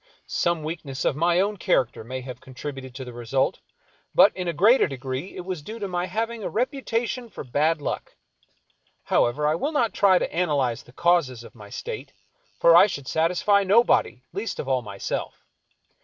Some weakness of my own character may have contributed to the result, but in a greater degree it was due to my having a reputation for bad luck. However, I will not try to analyze the causes of my state, for I should satisfy nobody, least of all myself.